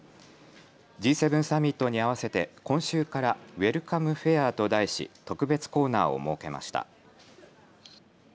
Ｇ７サミットに合わせて今週からウエルカムフェアと題し特別コーナーを設けました。